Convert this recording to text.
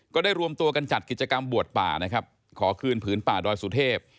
ก็ได้รวมตัวกันจัดกิจกรรมบวชป่านะครับขอคืนผืนป่าดอยสุเทพ